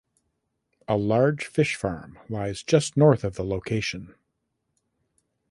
A large fish farm lies just north of the location.